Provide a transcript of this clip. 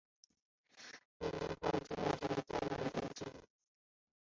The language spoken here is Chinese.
边沁后功利主义的最重要代表人物之一。